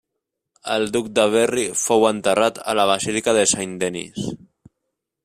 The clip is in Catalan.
El duc de Berry fou enterrat a la Basílica de Saint-Denis.